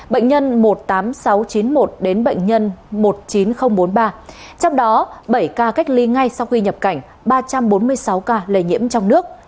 bệnh nhân một mươi tám nghìn sáu trăm chín mươi một đến bệnh nhân một mươi chín nghìn bốn mươi ba trong đó bảy ca cách ly ngay sau khi nhập cảnh ba trăm bốn mươi sáu ca lây nhiễm trong nước